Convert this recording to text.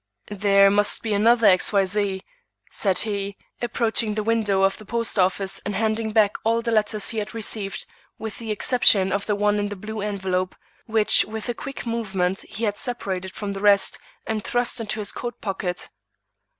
"There must be another X. Y. Z.," said he, approaching the window of the post office and handing back all the letters he had received, with the exception of the one in the blue envelope, which with a quick movement he had separated from the rest and thrust into his coat pocket.